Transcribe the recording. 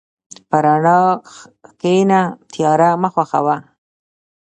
په رڼا کښېنه، تیاره مه خوښه وه.